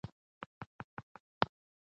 ښه چي کور دي نه کړ جوړ په غم آباد کي